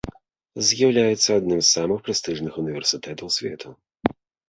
З'яўляецца адным з самых прэстыжных універсітэтаў свету.